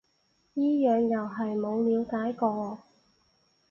呢樣又係冇了解過